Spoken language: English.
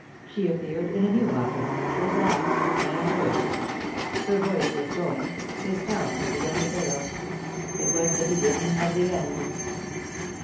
She appeared in a new opera his las$ and worst. Her voice was going, his talent had begun to fail. It was the beginning of the end."